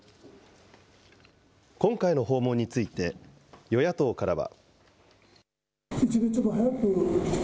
今回の訪問について、与野党からは。